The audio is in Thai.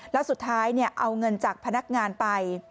แล้วสุดท้ายเอาเงินจากพนักงานไป